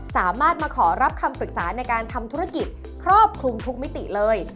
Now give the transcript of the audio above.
สามารถมาขอรับคำปรึกษาในการทำธุรกิจครอบคลุมทุกมิติเลย